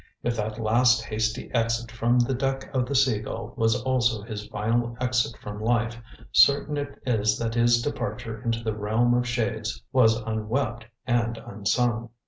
If that last hasty exit from the deck of the Sea Gull was also his final exit from life, certain it is that his departure into the realm of shades was unwept and unsung.